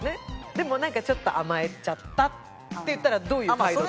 でもなんかちょっと甘えちゃったっていったらどういう態度取る？